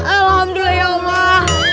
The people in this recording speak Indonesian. alhamdulillah ya allah